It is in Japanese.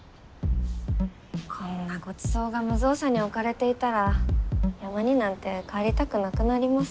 こんなごちそうが無造作に置かれていたら山になんて帰りたくなくなります。